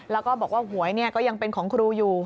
แล้วก็บอกว่าหวยก็ยังเป็นของครูอยู่